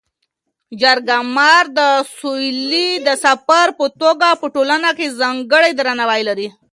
جرګه مار د سولي د سفیر په توګه په ټولنه کي ځانګړی درناوی لري.